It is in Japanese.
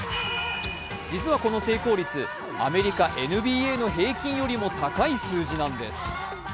実はこの成功率、アメリカＮＢＡの平均よりも高い数字なんです。